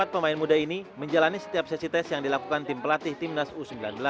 empat pemain muda ini menjalani setiap sesi tes yang dilakukan tim pelatih timnas u sembilan belas